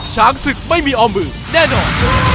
ช้างศึกไม่มีออมมือแน่นอน